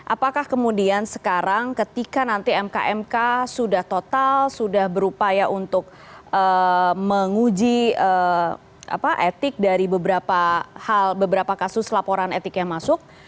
apakah kemudian sekarang ketika nanti mk mk sudah total sudah berupaya untuk menguji etik dari beberapa hal beberapa kasus laporan etik yang masuk